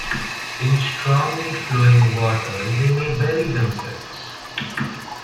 In strongly flowing waters, they may bury themselves.